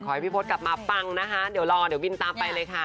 ให้พี่พศกลับมาปังนะคะเดี๋ยวรอเดี๋ยวบินตามไปเลยค่ะ